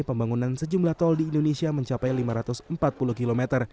pembangunan sejumlah tol di indonesia mencapai lima ratus empat puluh km